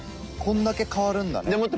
こんだけ変わるんだね。